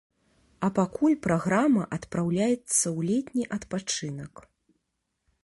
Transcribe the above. А пакуль праграма адпраўляецца ў летні адпачынак.